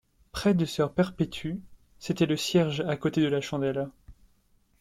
Près de sœur Perpétue, c’était le cierge à côté de la chandelle.